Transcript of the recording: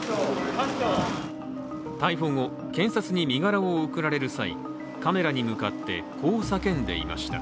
逮捕後、検察に身柄を送られる際カメラに向かって、こう叫んでいました。